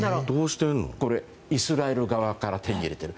イスラエル側から手に入れている。